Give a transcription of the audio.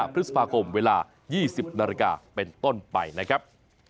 พฤษภาคมเวลา๒๐นาฬิกาเป็นต้นไปนะครับ